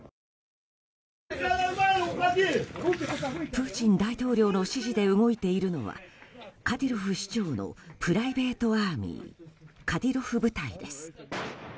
プーチン大統領の指示で動いているのはカディロフ首長のプライベートアーミーカディロフ部隊です。